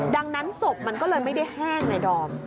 ดังนั้นศพมันก็เลยไม่ได้แห้งไงดอม